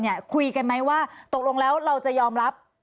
คุยกันไหมว่าตกลงแล้วเราจะยอมรับ